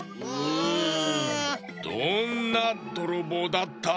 どんなどろぼうだった？